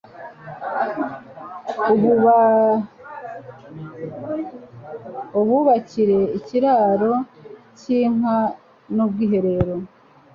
abubakira ikiraro cy'inka n'ubwiherero